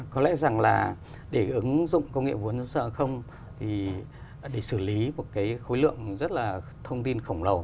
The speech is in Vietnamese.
có lẽ rằng là để ứng dụng công nghệ bốn thì để xử lý một cái khối lượng rất là thông tin khổng lồ